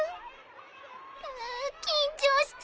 ん緊張しちゃう